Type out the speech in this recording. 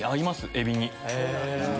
エビに。